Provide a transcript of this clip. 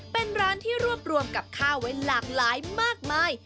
เป็นร้านที่รวบรวมกับข้าวไว้หลากหลายมากมาย